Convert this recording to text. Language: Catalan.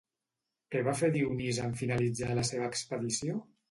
Què va fer Dionís en finalitzar la seva expedició?